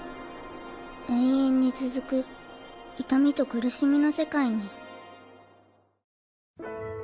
永遠に続く痛みと苦しみの世界に。